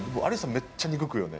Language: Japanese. めっちゃ肉食うよね。